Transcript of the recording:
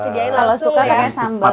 kalau suka pakai sambel